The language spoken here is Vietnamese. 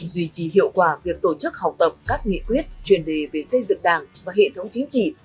duy trì hiệu quả việc tổ chức học tập các nghị quyết chuyên đề về xây dựng đảng và hệ thống chính trị